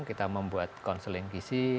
kita membuat konsulin gisi